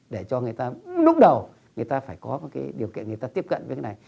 để cho người ta lúc đầu người ta phải có cái điều kiện người ta tiếp cận với cái này